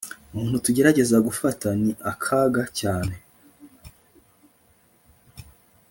umuntu tugerageza gufata ni akaga cyane